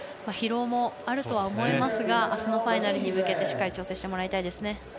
疲労もあるとは思いますがあすのファイナルに向けてしっかり調整してもらいたいです。